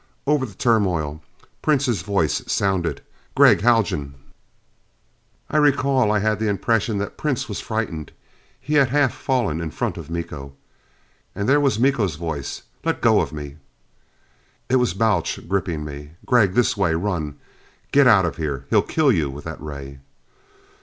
Over the turmoil, Prince's voice sounded: "Gregg Haljan!" I recall that I had the impression that Prince was frightened; he had half fallen in front of Miko. And there was Miko's voice: "Let go of me!" It was Balch gripping me. "Gregg! This way run! Get out of here! He'll kill you with that ray!"